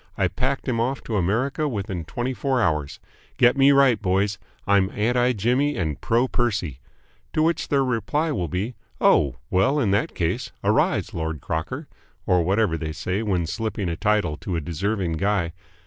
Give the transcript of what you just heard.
I packed him off to America within twenty four hours. Get me right, boys! I'm anti Jimmy and pro Percy." To which their reply will be "Oh, well, in that case arise, Lord Crocker!" or whatever they say when slipping a title to a deserving guy.